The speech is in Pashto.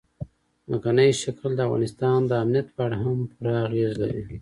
ځمکنی شکل د افغانستان د امنیت په اړه هم پوره اغېز لري.